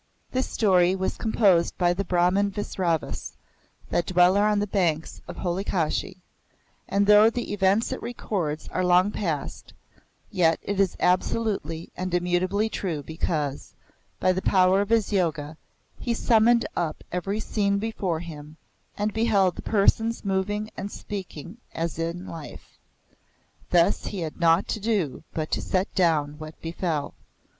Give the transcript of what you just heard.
This story was composed by the Brahmin Visravas, that dweller on the banks of holy Kashi; and though the events it records are long past, yet it is absolutely and immutably true because, by the power of his yoga, he summoned up every scene before him, and beheld the persons moving and speaking as in life. Thus he had naught to do but to set down what befell.